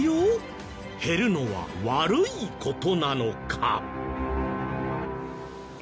減るのは悪い事なのか？